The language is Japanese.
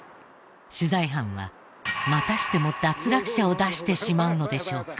取材班はまたしても脱落者を出してしまうのでしょうか？